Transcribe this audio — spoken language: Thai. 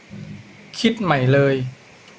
คิดใหม่เลย